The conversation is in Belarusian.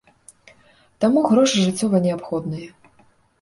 Таму грошы жыццёва неабходныя.